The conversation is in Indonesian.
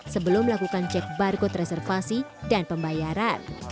sebelum melakukan cek barcode reservasi dan pembayaran